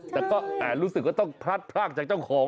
แต่ก็รู้สึกว่าต้องพลัดพรากจากเจ้าของ